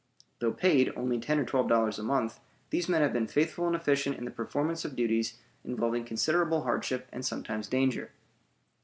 Though paid only ten or twelve dollars a month, these men have been faithful and efficient in the performance of duties involving considerable hardship and sometimes danger.